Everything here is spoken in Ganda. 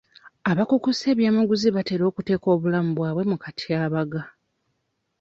Abakukusa eby'amaguzi batera okuteeka obulamu bwabwe mu katyabaga.